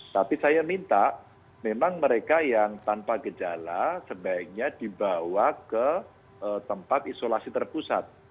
tapi saya minta memang mereka yang tanpa gejala sebaiknya dibawa ke tempat isolasi terpusat